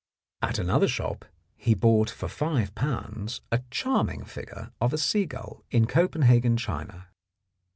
At another shop he bought for five pounds a charming figure of a seagull in Copenhagen china.